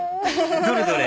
どれどれ？